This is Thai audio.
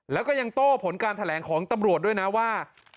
แล้วก็ยังโต้ผลการแถลงของตำรวจด้วยนะว่า